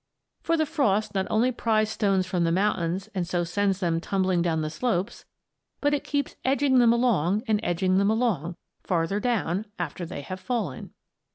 For the frost not only pries stones from the mountains and so sends them tumbling down the slopes, but it keeps edging them along and edging them along, farther down, after they have fallen.